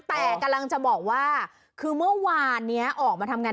แต่กำลังจะบอกว่าคือเมื่อวานนี้ออกมาทำงาน